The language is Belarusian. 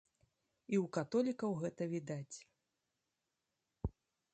І ў католікаў гэта відаць.